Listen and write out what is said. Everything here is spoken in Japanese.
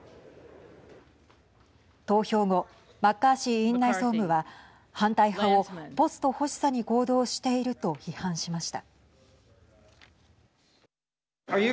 投票後、マッカーシー院内総務は反対派をポスト欲しさに行動していると批判しました。